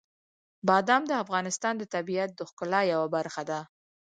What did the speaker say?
بادام د افغانستان د طبیعت د ښکلا یوه برخه ده.